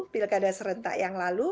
pilkada serentak yang lalu